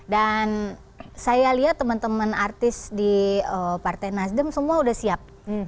dan saya lihat teman teman artis di partai nasdem semua udah siap